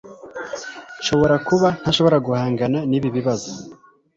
Nshobora kuba ntashobora guhangana nibi bibazo